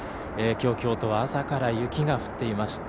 きょう、京都は朝から雪が降っていました。